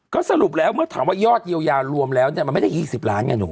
ก็สรุปแล้วมันถามว่ายอดยาวรวมแล้วมันไม่ได้๒๐ล้านไงหนู